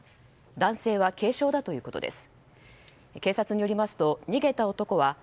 男性は軽傷だということです。